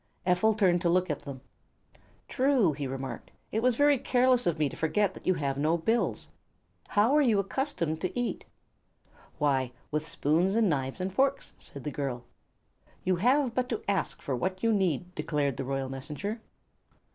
Ephel turned to look at them. "True," he remarked; "it was very careless of me to forget that you have no bills. How are you accustomed to eat?" "Why, with spoons, and knives and forks," said the girl. "You have but to ask for what you need," declared the royal Messenger.